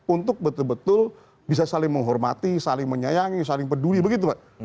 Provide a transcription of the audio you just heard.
untuk betul betul bisa saling menghormati saling menyayangi saling peduli begitu pak